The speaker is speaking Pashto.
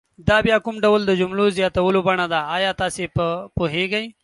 دا بیا کوم ډول د جملو زیاتولو بڼه ده آیا تاسې په پوهیږئ؟